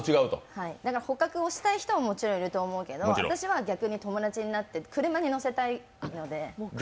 はい、捕獲をしたい人はもちろんいると思うけど私は逆に友達になって、車に乗せたいので。